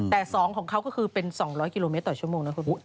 แต่๒ของเขาก็คือเป็น๒๐๐กิโลเมตรต่อชั่วโมงนะคุณ